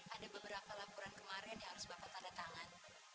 ada beberapa laporan kemarin yang harus bapak tanda tangan